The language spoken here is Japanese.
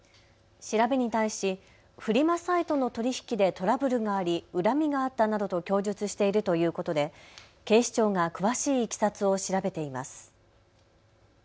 調べに対しフリマサイトの取り引きでトラブルがあり恨みがあったなどと供述しているということで警視庁が詳しいいきさつを調べています。